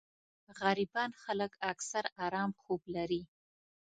غريبان خلک اکثر ارام خوب لري